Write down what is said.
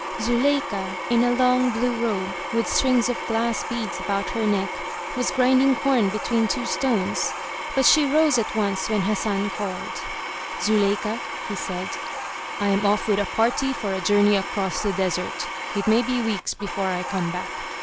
Zuleika, in a long blue robe, with strings of glass beads about her neck, was grinding corn between two stones, but she rose at once when Hassan called. '*Zuleika," he said, ''I am off with a party for a journey across the desert. It may be weeks before I come back.